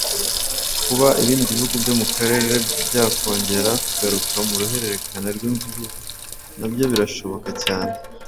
Kuba ibindi bihugu byo mu Karere byakongera kugaruka mu ruhererekane rw’imvururu nabyo birashoboka cyane